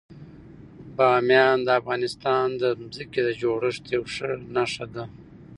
بامیان د افغانستان د ځمکې د جوړښت یوه ښه نښه ده.